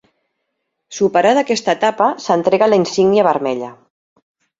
Superada aquesta etapa s'entrega la insígnia vermella.